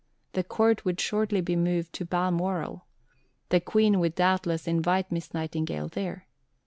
The Court would shortly be moved to Balmoral. The Queen would doubtless invite Miss Nightingale there.